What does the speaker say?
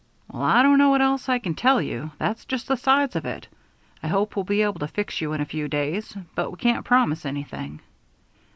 "Well, I don't know what else I can tell you. That's just the size of it. I hope we'll be able to fix you in a few days, but we can't promise anything."